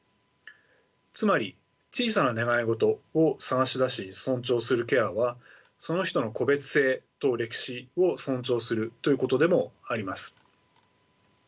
つまり小さな願い事を探し出し尊重するケアはその人の個別性と歴史を尊重するということでもあります。